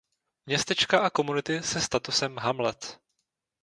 Městečka a komunity se statusem "hamlet".